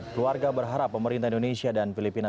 keluarga berharap pemerintah indonesia dan filipina